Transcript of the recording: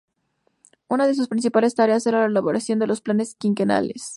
Una de sus principales tareas era la elaboración de los planes quinquenales.